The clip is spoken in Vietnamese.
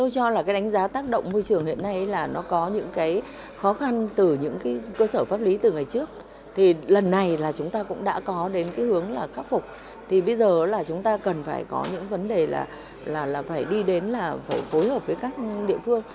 phải có những vấn đề là phải đi đến là phải phối hợp với các địa phương